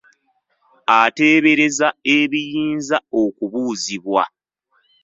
Ateebereza ebiyinza okubuuzibwa.